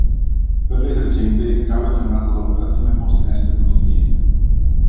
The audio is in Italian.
Per l'esercente il ricavo è generato dall'operazione posta in essere con il cliente.